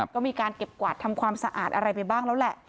ก็มีการเก็บกวาดทำความสะอาดอะไรไปบ้างแล้วแหละ